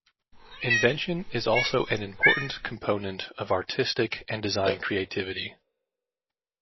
Invention is also an important component of artistic and design creativity.